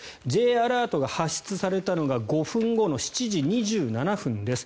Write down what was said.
Ｊアラートが発出されたのが５分後の７時２７分です。